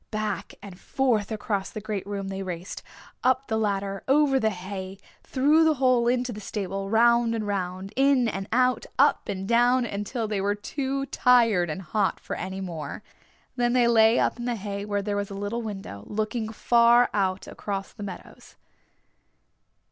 Back and forth across the great room they raced, up the ladder, over the hay, through the hole into the stable, round and round, in and out, up and down until they were too tired and hot for any more. Then they lay up in the hay where there was a little window, looking far out across the meadows.